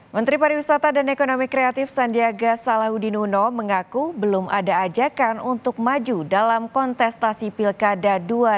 menteri pariwisata dan ekonomi kreatif sandiaga salahuddin uno mengaku belum ada ajakan untuk maju dalam kontestasi pilkada dua ribu dua puluh